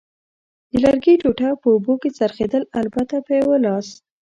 د لرګي ټوټه په اوبو کې څرخېدل، البته په یوه لاس.